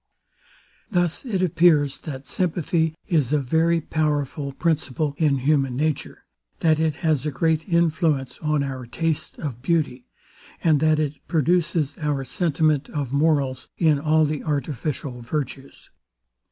Thus it appears, that sympathy is a very powerful principle in human nature, that it has a great influence on our taste of beauty, and that it produces our sentiment of morals in all the artificial virtues.